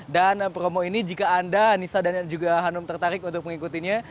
dan promo ini jika anda anissa dan juga hanum tertarik untuk mengikutinya